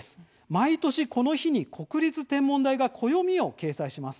毎年この日に国立天文台が暦を掲載します。